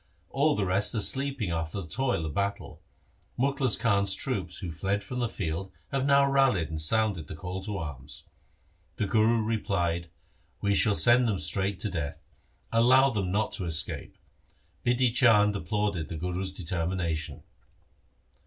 All the rest are sleeping after the toil of battle. Mukhlis Khan's troops who fled from the field have now rallied and sounded the call to arms.' The Guru replied, ' We shall send them straight to death. Allow them not to escape.' Bidhi Chand applauded the Guru's determination.